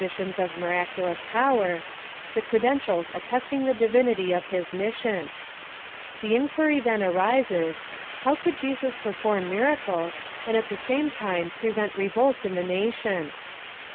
On Miiaclea. PLAN OP SALVATION. 133 of miraculous power, the credentials attesting the divinity of his mission. The inquiry, then, arises, How could Jesus perform miracles^ and at the same time prevent revolt in the nation